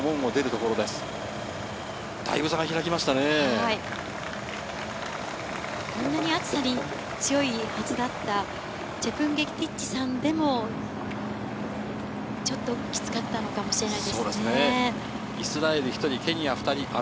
こんなに暑さに強いはずだったチェプンゲティッチさんでもちょっときつかったのかもしれないですね。